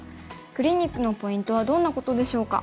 クリニックのポイントはどんなことでしょうか。